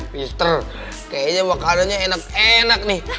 wah mister kayaknya makanannya enak enak nih